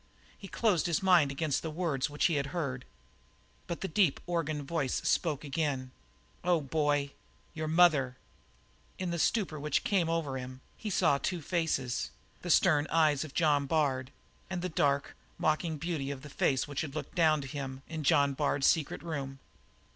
He closed his mind against the words which he had heard. But the deep organ voice spoke again: "Oh, boy, your mother!" In the stupor which came over him he saw two faces: the stern eyes of John Bard, and the dark, mocking beauty of the face which had looked down to him in John Bard's secret room.